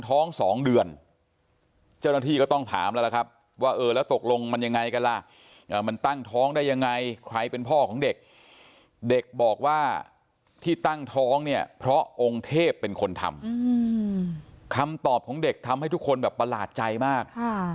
ท้องได้ยังไงใครเป็นพ่อของเด็กเด็กบอกว่าที่ตั้งท้องเนี่ยเพราะองค์เทพเป็นคนทำคำตอบของเด็กทำให้ทุกคนแบบประหลาดใจมาก